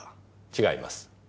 違います。